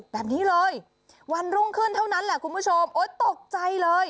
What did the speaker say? แบบนี้เลยวันรุ่งขึ้นเท่านั้นแหละคุณผู้ชมโอ๊ยตกใจเลย